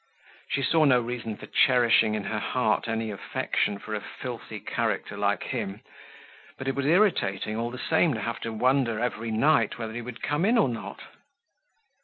She saw no reason for cherishing in her heart any affection for a filthy character like him, but it was irritating, all the same, to have to wonder every night whether he would come in or not.